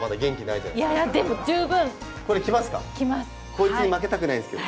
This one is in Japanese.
こいつに負けたくないんですけど。